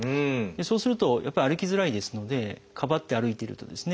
そうするとやっぱり歩きづらいですのでかばって歩いているとですね